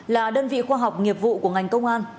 là đơn vị khoa học nghiệp vụ của ngành công an